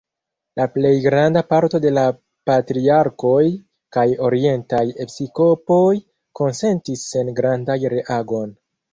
La plej granda parto de la patriarkoj kaj orientaj episkopoj konsentis sen grandaj reagoj.